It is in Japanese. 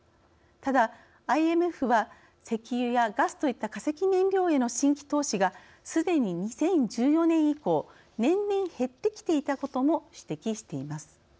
ただ、ＩＭＦは石油やガスといった化石燃料への新規投資がすでに２０１４年以降年々、減ってきていたことも指摘しています。